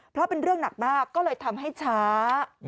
เพราะเป็นเรื่องหนักมากก็เลยทำให้ช้า